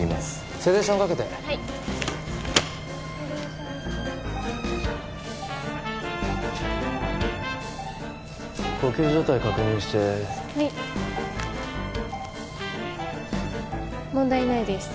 セデーションかけてはい呼吸状態確認してはい問題ないです